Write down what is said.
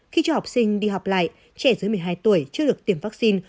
khi cho học sinh đi học lại trẻ dưới một mươi hai tuổi chưa được tiêm vaccine